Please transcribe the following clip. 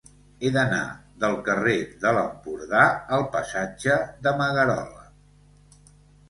He d'anar del carrer de l'Empordà al passatge de Magarola.